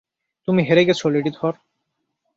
তুমি হেরে গেছ, লেডি থর।